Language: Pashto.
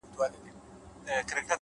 هر منزل د ژمنتیا غوښتنه کوي!